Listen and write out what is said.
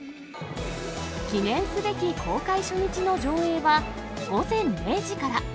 記念すべき公開初日の上映は、午前０時から。